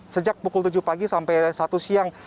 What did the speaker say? sejak pukul tujuh pagi sampai satu siang